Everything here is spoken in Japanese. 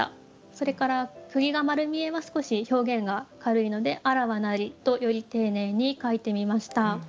それから「釘がまる見え」は少し表現が軽いので「あらわなり」とより丁寧に描いてみました。